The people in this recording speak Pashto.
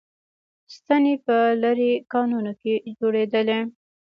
ستنې په لېرې کانونو کې جوړېدلې